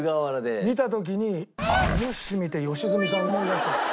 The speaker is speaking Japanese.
見た時にイノシシ見て良純さん思い出す。